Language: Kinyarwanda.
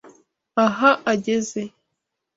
Aha ageze.